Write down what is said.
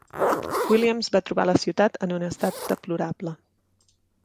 Williams va trobar la ciutat en un estat deplorable.